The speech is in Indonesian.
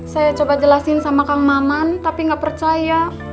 saya coba jelasin sama kang maman tapi nggak percaya